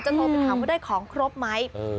จะโทรไปทำว่าได้ของครบไหมเออ